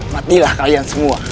matilah kalian semua